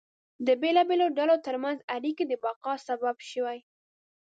د بېلابېلو ډلو ترمنځ اړیکې د بقا سبب شوې.